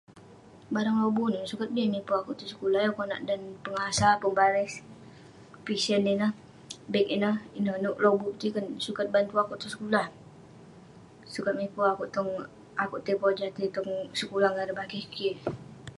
Barang lobuk ineh sukat bi miper akouk tong sekulah. Yah Konak dan pengasah, pembaris, pisen ineh, beg ineh. Ineh nouk lobuk petiken. Sukat bantu akouk tong sekulah, sukat miper akouk tong akouk tai pojah tai tong sekulah ngan ireh bakeh kik.